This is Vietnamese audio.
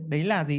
đấy là gì